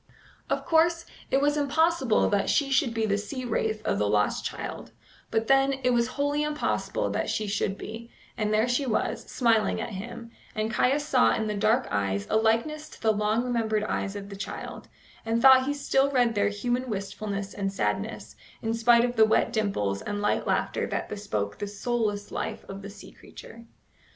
Of course, it was impossible that she should be the sea wraith of the lost child; but, then, it was wholly impossible that she should be, and there she was, smiling at him, and Caius saw in the dark eyes a likeness to the long remembered eyes of the child, and thought he still read there human wistfulness and sadness, in spite of the wet dimples and light laughter that bespoke the soulless life of the sea creature.